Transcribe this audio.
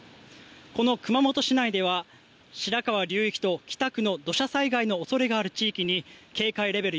この熊本市内では白川流域と北区の土砂災害の恐れがある地域に警戒レベル